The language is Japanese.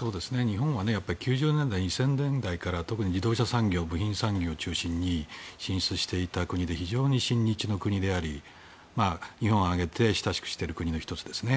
日本は１９９０年代、２０００年代から特に自動車産業グリーン産業を中心に進出していた国で非常に親日の国であり日本を挙げて親しくしている国の１つですね。